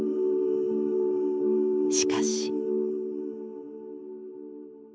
しかし。